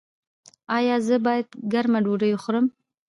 ایا زه باید ګرمه ډوډۍ وخورم؟